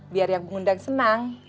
biar yang mengundang senang